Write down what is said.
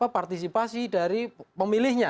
partisipasi dari pemilihnya